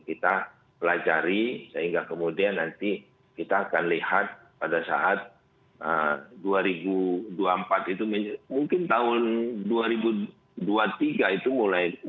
kita pelajari sehingga kemudian nanti kita akan lihat pada saat dua ribu dua puluh empat itu mungkin tahun dua ribu dua puluh tiga itu mulai